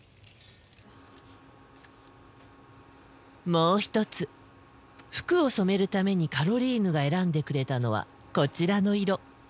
もう一つ服を染めるためにカロリーヌが選んでくれたのはこちらの色。